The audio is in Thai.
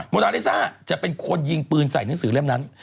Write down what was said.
นาริซ่าจะเป็นคนยิงปืนใส่หนังสือเล่มนั้น